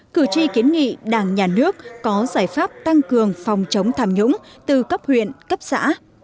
cử tri kiến nghị đảng nhà nước có giải pháp tăng cường phòng chống tham nhũng từ cấp huyện cấp xã